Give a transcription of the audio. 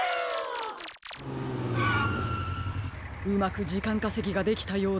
うまくじかんかせぎができたようですね。